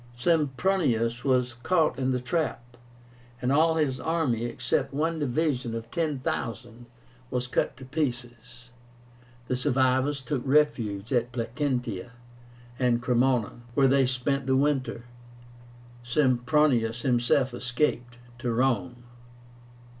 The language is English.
Sempronius was caught in the trap, and all his army, except one division of 10,000, was cut to pieces. The survivors took refuge in Placentia and Cremona, where they spent the winter. Sempronius himself escaped to Rome.